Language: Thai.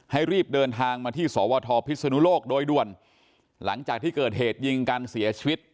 ให้รีบเดินทางมาที่สวทพิศนุโลกโดยด่วนหลังจากที่เกิดเหตุยิงกันเสียชีวิต